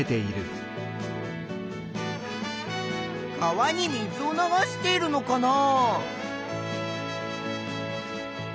川に水を流しているのかな？